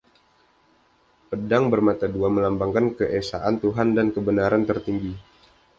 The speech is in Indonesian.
Pedang bermata dua melambangkan keesaan Tuhan dan kebenaran tertinggi.